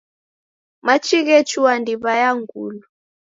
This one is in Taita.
Machi ghechua ndiw'a ya Ngulu.